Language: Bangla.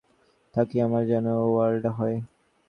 আমি যদি আপনার নামে কিছু বলে থাকি আমার যেন ওলাউঠা হয়।